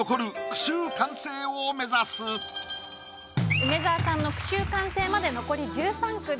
梅沢さんの句集完成まで残り１３句です。